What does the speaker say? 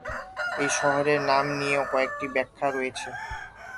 এই শহরের নাম নিয়ে কয়েকটি ব্যাখ্যা রয়েছে।